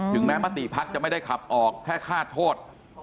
ถึงแม้มติพักจะไม่ได้ขับออกแค่ฆาตโทษ